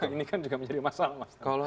ini kan juga menjadi masalah